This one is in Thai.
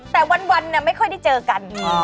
แต่วันไม่ค่อยได้เจอกัน